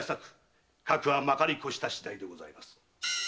かくはまかり越したしだいにございます。